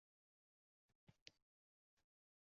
Fermer: “Mahsulotlarimizni erkin narxlarda sotamiz”